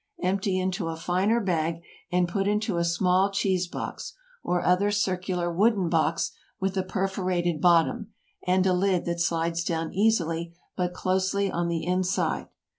Empty into a finer bag, and put into a small cheese box, or other circular wooden box with a perforated bottom, and a lid that slides down easily but closely on the inside.